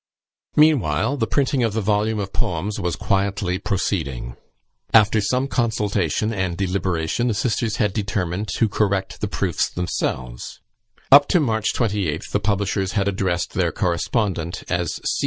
Meanwhile the printing of the volume of poems was quietly proceeding. After some consultation and deliberation, the sisters had determined to correct the proofs themselves, Up to March 28th the publishers had addressed their correspondent as C.